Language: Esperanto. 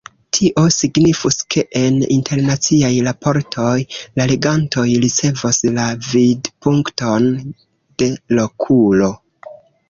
Tio signifus, ke en internaciaj raportoj la legantoj ricevos la vidpunkton de lokulo.